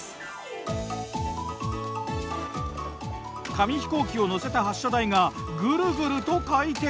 紙飛行機を乗せた発射台がぐるぐると回転。